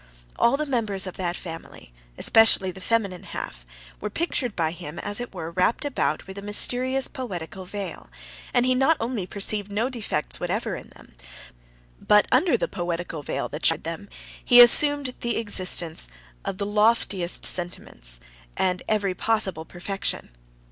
All the members of that family, especially the feminine half, were pictured by him, as it were, wrapped about with a mysterious poetical veil, and he not only perceived no defects whatever in them, but under the poetical veil that shrouded them he assumed the existence of the loftiest sentiments and every possible perfection.